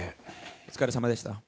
お疲れさまでした。